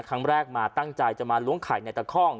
ครั้งแรกมาตั้งใจจะมาล้วงไข่ในตะค่อง